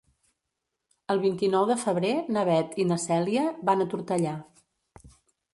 El vint-i-nou de febrer na Beth i na Cèlia van a Tortellà.